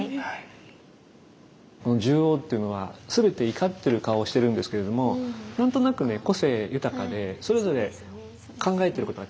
この十王っていうのは全て怒ってる顔をしてるんですけれども何となくね個性豊かでそれぞれ考えてることが違うようなね感じがしますよね。